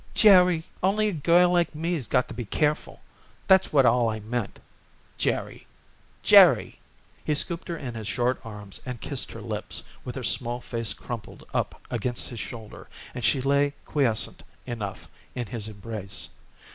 "Jerry Only a girl like me's got to be careful that was all I meant, Jerry. Jerry!" He scooped her in his short arms and kissed her lips, with her small face crumpled up against his shoulder, and she lay quiescent enough in his embrace.